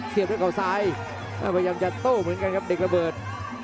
ด้วยเขาซ้ายพยายามจะโต้เหมือนกันครับเด็กระเบิด